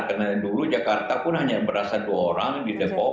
karena dulu jakarta pun hanya berasal dua orang di depok